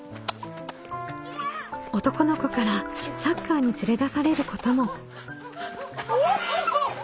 男の子からサッカーに連れ出されることも。